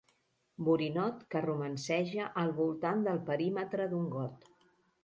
Borinot que romanceja al voltant del perímetre d'un got.